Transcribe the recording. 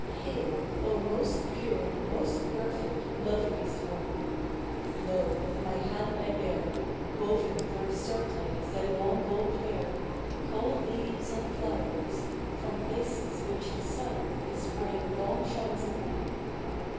Hail, O most pure, most perfect, loveliest one I Lo, in my haiid 1 bear. Woven for the circling of thy long gold hair. Culled leaves andjloxuers, from places 'which I he sun The spring long shines upon.